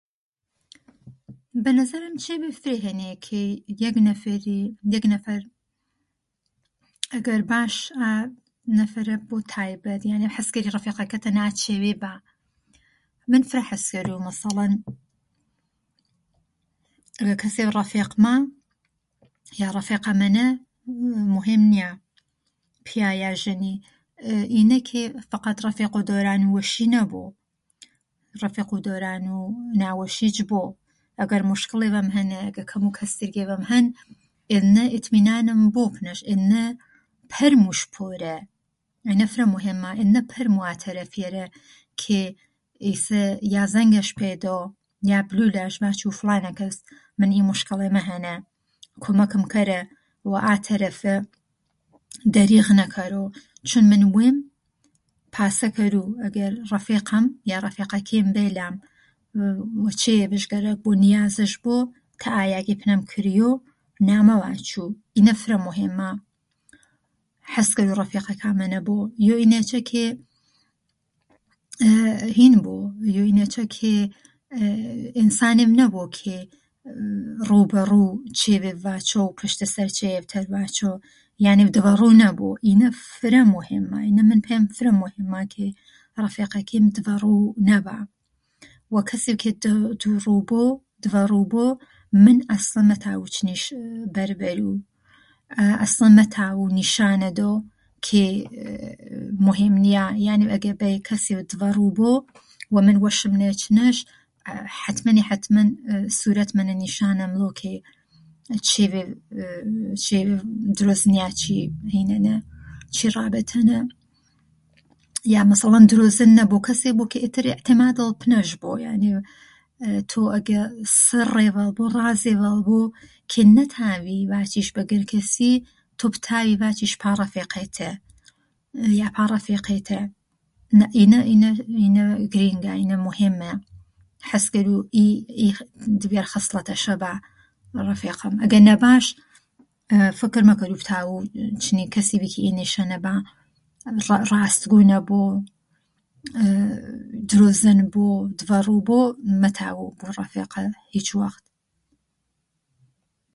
بەنەزەرەم چێڤێ فرێ هەنێ کە یەک نەفەری، یەک نەفەر ئەگەر باش ئا یەک نەفەرە بۆ تایبەت یانێڤ عەز کەری رەفێقەکەتەنە ئا چێڤێ با. من فرە حەز کەروو مەسەڵەن ئەگەر کەسێڤ رەفێقما یا رەفێقەمەنە موهێم نیا پیا یا ژەنی ئینە کە فەقەت رەفێقوو دەورانی وەشی نەبۆ رەفێقوو دەورانوو ناوەشیچ بۆ. ئەگەر موشکێڵێڤەم هەنە ئەگەر کەموو کەسریێڤم هەن ئێننە ئێتمینانم بۆ پنەش ئێننە پەرمووش پۆرە، ئینە فرە مۆهێما ئێننە پەرموو ئا تارەفیەرە کە ئیسە یا زەنگەش پەی دەو یا بلوو لاش ڤاچوو فڵانەکەس من ئی موشکێڵەمە هەنە، کومەکم کەرە وە ئا تەرەفە دەریغ نەکەرۆ چوون من وێم پاسە کەروو ئەگەر رەفێقەم یا رەفێقەکێم بەی لام وو چێڤێڤش گەرەک بۆ نیازش بۆ تا یاگێ پنەم کریۆ، نا مەڤاچوو ئینە فرە موهێمما عەز کەروو رەفێقەکامەنە بۆ. یۆ ئینەیچە کە هین بۆ ئێ ئێ یۆ ئینەیچە کە ئێنسانێڤ نەبۆ کە رووبەڕوو چێڤێڤ ڤاچۆ کە رووبەڕوو چێڤێڤ ڤاچۆ پەشتەسەر چێڤێڤ تەر ڤاچۆ یانێڤ دڤە روو نەبۆ ئینە فرە مۆهێما ئینە پێم فرە مۆهێمما کە رەفێقەکێم دڤە روو نەبا وە کەسێڤ کە دۆڕوو بۆ دڤە ڕوو بۆ من ئەسڵەن مەتاڤوو چنیش بەر بەروو ئەسڵەن مەتاڤوو نیشانە دەو کە ئێ ئێ موهێم نیە، یانێڤ ئەگەر بەی کەسێڤ، دڤە روو بۆ وە من وەشم نەی چنەش، حەتمەنی حەتمەن سوورەتمەنە نیشانە مذۆ کە چێڤێڤ ئێ ئێ چێڤێڤ دروس نیا چی هینەنە چی رابێتەنە. یا مسەڵەن درۆزن نەبۆ، کەسێڤ بۆ کە ئێتر ئێعتمادذ پنەش بۆ. یانێڤ تۆ ئەگە ئێ سڕێڤەذ بۆ، رازێڤەذ بۆ کە نەتاڤی ڤاچیش بە گرکەسی، تۆ بتاڤی ڤاچیش پا رەفێقەیتە یا پا رەفێقێتە. ئینە ئینە ئێ گرینگا ئینە موهێما عەز کەروو ئی ئی ئێێ ئی خسڵەتێشە با. رەفێقەم، ئەگەر نەباش فکر مەکەروو بتاڤوو ئێ چنی کەسێڤی کە ئینیشە نەبا راسگوو نەبۆ ئێ درۆزن بۆ دڤە روو بۆ مەتاڤوو بوو رەفێقە هیچوەخت